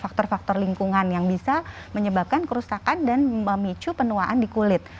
faktor faktor lingkungan yang bisa menyebabkan kerusakan dan memicu penuaan di kulit